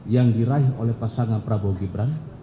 yang diraih oleh pasangan prabowo gibran